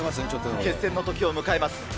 決戦の時を迎えます。